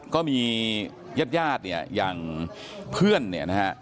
ก็มีญาติอย่างเพื่อนนะฮะ